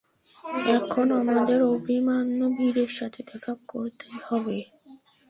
এখন আমদের আভিমান্যু ভীরের সাথে দেখা করতেই হবে।